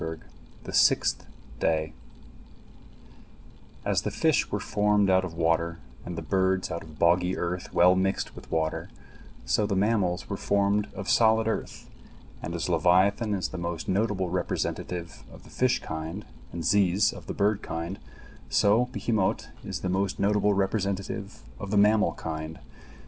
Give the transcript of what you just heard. THE SIXTH DAY As the fish were formed out of water, and the birds out of boggy earth well mixed with water, so the mammals were formed out of solid earth, and as leviathan is the most notable representative of the fish kind, and ziz of the bird kind, so behemot is the most notable representative of the mammal kind.